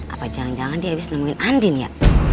apa jangan jangan dia habis nemuin andin ya